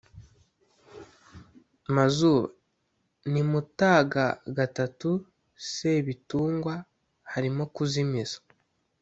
mazuba: ni mutaga iii sebitungwa harimo kuzimiza